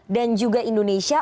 dan juga indonesia